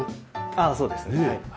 ああそうですね。